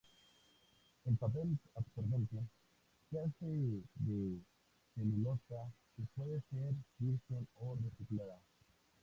El papel absorbente se hace de celulosa que puede ser virgen o reciclada.